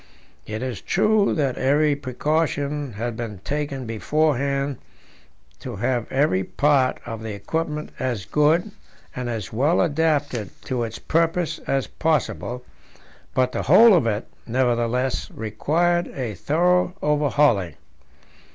It is true that every precaution had been taken beforehand to have every part of the equipment as good and as well adapted to its purpose as possible, but the whole of it, nevertheless, required a thorough overhauling.